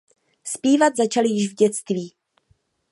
Zpívat začaly již v dětství.